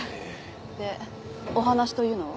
でお話というのは？